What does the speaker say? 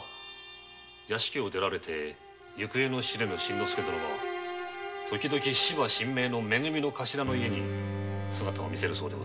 屋敷を出られて行方の知れぬ真之介殿は時々芝神明のめ組の頭の家に姿を見せるそうで。